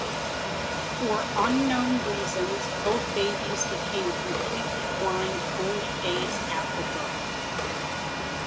For unknown reasons, both babies became completely blind only days after birth.